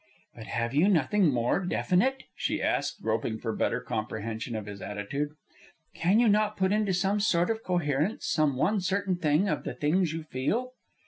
"But have you nothing more definite?" she asked, groping for better comprehension of his attitude. "Can you not put into some sort of coherence some one certain thing of the things you feel?"